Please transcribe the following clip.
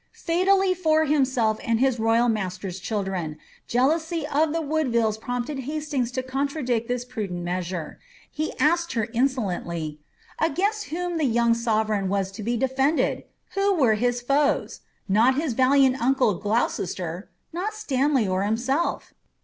Fatally for himself and his royal master^s children, jealousy of the Woodvilles prompted Hastings to contradict this prudent measure. He asked her insolently, ^ Against whom the young sovereign was to be defended ? Who were his foes ? Not his valiant uncle Gloucester? Not Stanley, or himself?